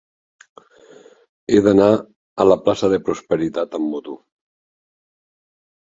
He d'anar a la plaça de Prosperitat amb moto.